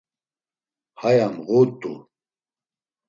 Haya mğu’t̆u.